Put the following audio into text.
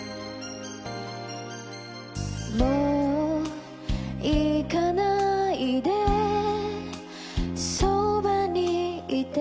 「もう行かないでそばにいて」